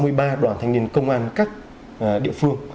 và sáu mươi ba đoàn thanh niên công an các địa phương